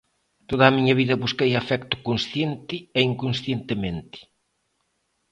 Toda a miña vida busquei afecto consciente e inconscientemente.